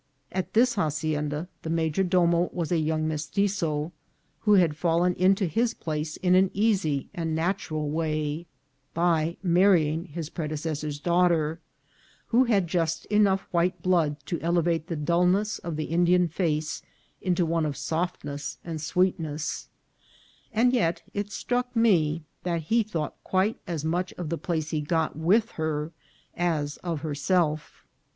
At this hacienda the major domo was a young Mestitzo, and had fallen into his place in an easy and natural way by marrying his predecessor's daughter, who had just enough white blood to elevate the dulness of the Indian face into one of softness and sweetness ; and yet it struck me that he thought quite as much of the place he got with her as of herself.